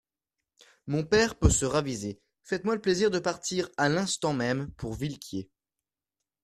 Mon père peut se raviser ; faites-moi le plaisir de partir à l'instant même pour Villequier.